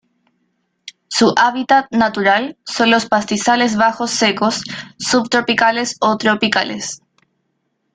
Su hábitat natural son los pastizales bajos secos subtropicales o tropicales.